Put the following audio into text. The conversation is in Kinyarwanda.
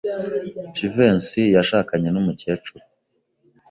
Jivency yashakanye numukecuru.